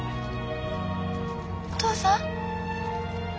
お父さん？